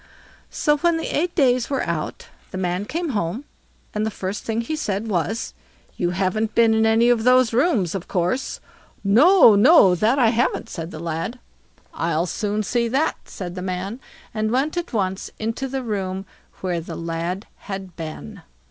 So when the eight days were out, the man came home, and the first thing he said was: "You haven't been into any of these rooms, of course." "No, no; that I haven't", said the lad. "I'll soon see that", said the man, and went at once into the room where the lad had been.